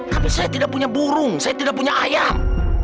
tapi saya tidak punya burung saya tidak punya ayam